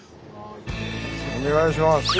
お願いします。